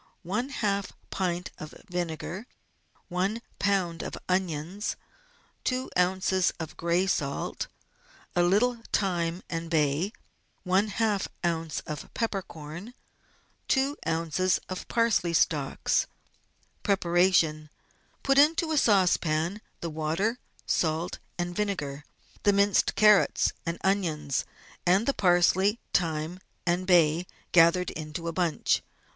\ pint of vinegar. i lb. of onions. 2 oz. of gray salt. A little thyme and bay. \ oz. of peppercorn.^. 2 oz. of parsley stalics. Preparation. — Put into a saucepan the water, salt, and vinegar, the minced carrots and onions, and the parsley, thyme, and bay, gathered into a bunch.